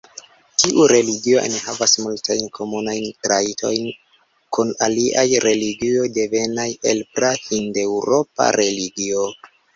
Tiu religio enhavas multajn komunajn trajtojn kun aliaj religioj devenaj el pra-hindeŭropa religio.